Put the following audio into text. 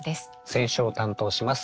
選書を担当します